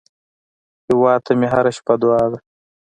هیواد ته مې هره شپه دعا ده